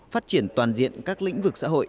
phát triển toàn diện các lĩnh vực xã hội